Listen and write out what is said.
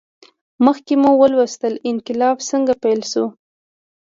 مخکې مو ولوستل انقلاب څنګه پیل شو.